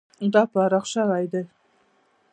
دا پراخ شوی دی.